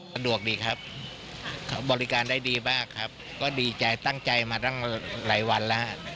สะดวกดีครับบริการได้ดีมากครับก็ดีใจตั้งใจมาตั้งหลายวันแล้วฮะ